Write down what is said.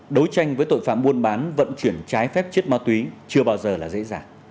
đấu tranh với tội phạm buôn bán vận chuyển trái phép chất ma túy chưa bao giờ là dễ dàng